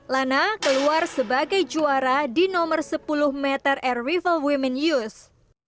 lana keluar sebagai juara di nomor sepuluh meter air rifle women's youth